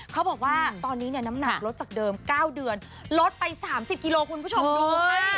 เขาบอกว่าตอนนี้เนี่ยน้ำหนักลดจากเดิม๙เดือนลดไป๓๐กิโลคุณผู้ชมดูให้